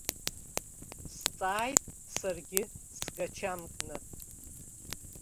Сҵааит саргьы, сгачамкны.